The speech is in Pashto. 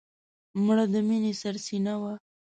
مړه د مینې سرڅینه وه